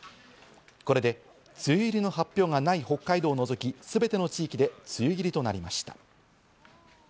これで梅雨入りの発表がない北海道を除き、すべての地域で梅雨入りとなりました。